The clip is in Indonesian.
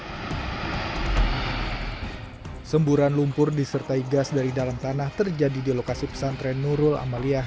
hai semburan lumpur disertai gas dari dalam tanah terjadi di lokasi pesantren nurul amalia